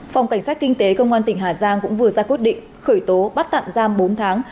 phòng cảnh sát kinh tế công an tỉnh hà giang cũng vừa ra quyết định khởi tố bắt tạm giam bốn tháng